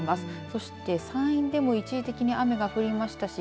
そして山陰でも一時的に雨が降りましたし